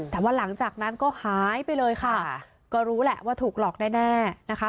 แต่ว่าหลังจากนั้นก็หายไปเลยค่ะก็รู้แหละว่าถูกหลอกแน่นะคะ